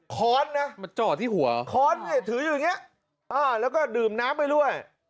ค้อนนะมาจอดที่หัวค้อนเนี่ยถืออยู่อย่างนี้แล้วก็ดื่มน้ำไปด้วย